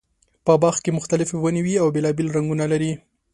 په باغ کې مختلفې ونې وي او بېلابېل رنګونه لري.